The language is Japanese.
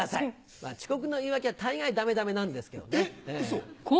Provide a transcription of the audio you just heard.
まぁ遅刻の言い訳は大概ダメダメなんですけどね。